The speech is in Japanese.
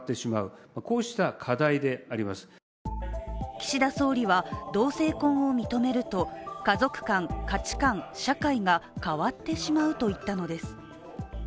岸田総理は同性婚を認めると家族観、価値観、社会が変わってしまうと言ったのです。